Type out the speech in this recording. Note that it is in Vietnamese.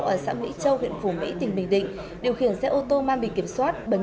ở xã mỹ châu huyện phù mỹ tỉnh bình định điều khiển xe ô tô mang bị kiểm soát